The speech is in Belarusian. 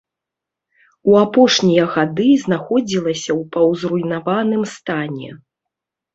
У апошнія гады знаходзілася ў паўзруйнаваным стане.